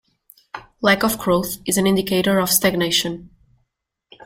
Lack of growth is an indicator of stagnation.